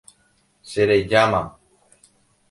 Cherejáma.